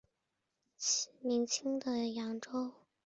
明清的扬州。